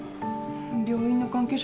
病院の関係者